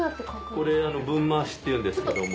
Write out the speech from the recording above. これはぶん回しというんですけども。